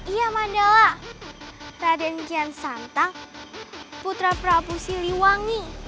iya mandala raden kian santang putra prabu siliwangi